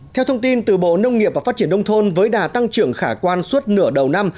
theo thông tin từ bộ nông nghiệp và phát triển nông thôn với đà tăng trưởng khả quan suốt nửa đầu năm